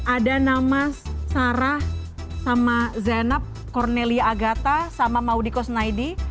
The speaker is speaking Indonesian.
ada nama sarah sama zenab cornelia agata sama maudiko snaidi